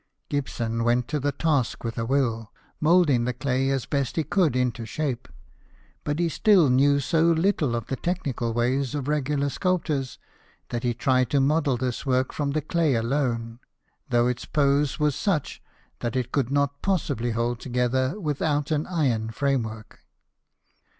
Gibson went to the task with a will, moulding the clay as best he could into shape ; but he still knew so little of the technical ways of regular sculptors that he tried to model this work from the clay alone, though its pose was such that it could not possibly hold together without an iron framework.